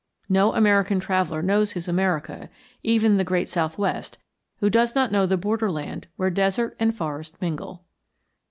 No American traveller knows his America, even the great southwest, who does not know the border land where desert and forest mingle.